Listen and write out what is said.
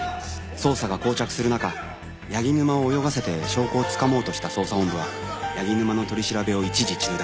捜査が膠着する中柳沼を泳がせて証拠をつかもうとした捜査本部は柳沼の取り調べを一時中断。